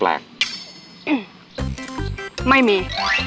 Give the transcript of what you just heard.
อืมไม่มี